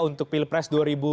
untuk pilpres dua ribu dua puluh